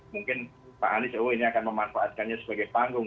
mungkin pak anies oh ini akan memanfaatkannya sebagai panggung